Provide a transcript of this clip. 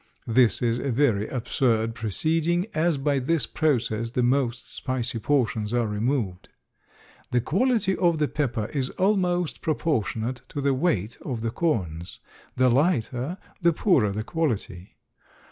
This is a very absurd proceeding, as by this process the most spicy portions are removed. The quality of the pepper is almost proportionate to the weight of the corns; the lighter the poorer the quality.